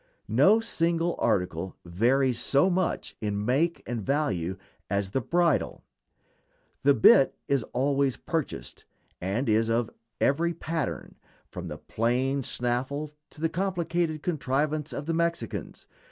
No single article varies so much in make and value as the bridle. The bit is always purchased, and is of every pattern, from the plain snaffle to the complicated contrivance of the Mexicans.